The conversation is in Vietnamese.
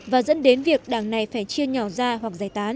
và dẫn đến việc đảng này phải chia nhỏ ra hoặc giải tán